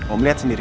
om lihat sendiri